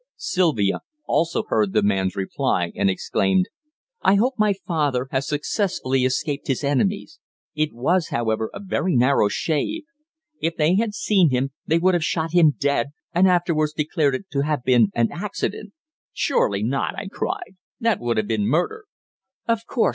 Sylvia also heard the man's reply, and exclaimed "I hope my father has successfully escaped his enemies. It was, however, a very narrow shave. If they had seen him, they would have shot him dead, and afterwards declared it to have been an accident!" "Surely not!" I cried. "That would have been murder." "Of course.